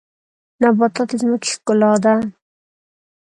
نباتات د ځمکې ښکلا ده